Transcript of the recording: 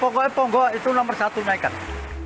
pokoknya ponggok itu nomor satu naiknya